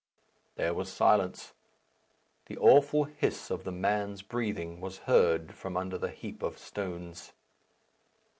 There was silence, the awful hiss of the man's breathing was heard from under the heap of stones.